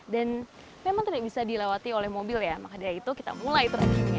dan memang tidak bisa dilewati oleh mobil ya makanya kita mulai trekkingnya